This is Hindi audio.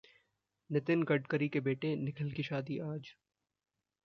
नितिन गडकरी के बेटे निखिल की शादी आज